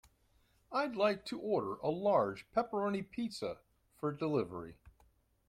I'd like to order a large pepperoni pizza for delivery.